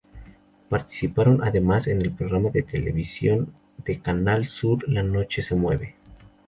Participaron además en el programa de televisión de Canal Sur "La Noche se Mueve".